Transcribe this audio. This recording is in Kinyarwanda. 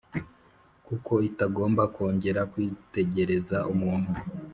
kuko itagomba kongera kwitegereza umuntu,